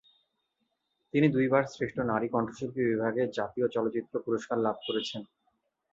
তিনি দুইবার শ্রেষ্ঠ নারী কণ্ঠশিল্পী বিভাগে জাতীয় চলচ্চিত্র পুরস্কার লাভ করেছেন।